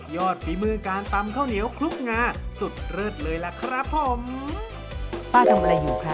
ฝีมือการตำข้าวเหนียวคลุกงาสุดเลิศเลยล่ะครับผมป้าทำอะไรอยู่ครับ